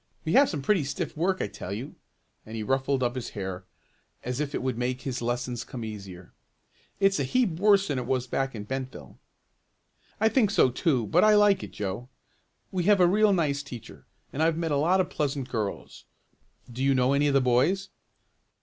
We have some pretty stiff work I tell you!" and he ruffled up his hair, as if that would make his lessons come easier. "It's a heap worse than it was back in Bentville." "I think so too, but I like it, Joe. We have a real nice teacher, and I've met a lot of pleasant girls. Do you know any of the boys?"